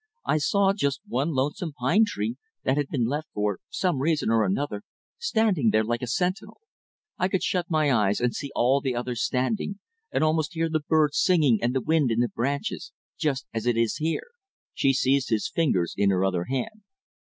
I saw just one lonesome pine tree that had been left for some reason or another, standing there like a sentinel. I could shut my eyes and see all the others standing, and almost hear the birds singing and the wind in the branches, just as it is here." She seized his fingers in her other hand.